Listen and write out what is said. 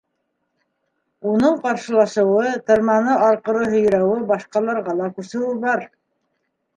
Уның ҡаршылашыуы, тырманы арҡыры һөйрәүе башҡаларға ла күсеүе бар.